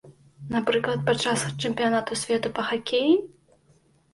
Напрыклад, падчас чэмпіянату свету па хакеі?